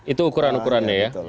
itu ukuran ukurannya ya